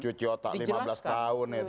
cuci otak lima belas tahun itu